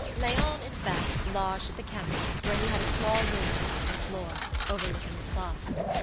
Léon, in fact, lodged at the chemist's where he had a small room on the second floor, overlooking the Place.